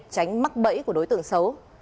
tránh mắc bẫy của đối tượng xấu